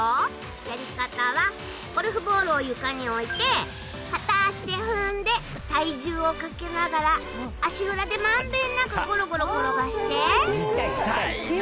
やり方はゴルフボールを床に置いて片足で踏んで体重をかけながら足裏で満遍なくゴロゴロ転がして。